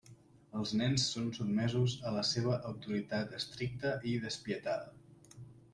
Els nens són sotmesos a la seva autoritat estricta i despietada.